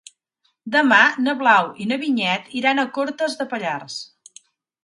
Demà na Blau i na Vinyet iran a Cortes de Pallars.